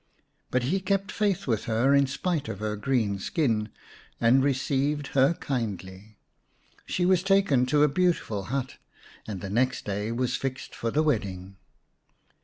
But he kept faith with her in spite of her green skin, and received her kindly. She was taken to a beautiful hut, and the next day was fixed for the wedding.